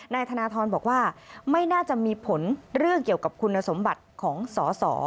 นายธนทรบอกว่าไม่น่าจะมีผลเรื่องเกี่ยวกับคุณสมบัติของสอสอ